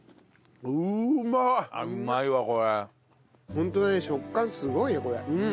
ホントに食感すごいよこれ。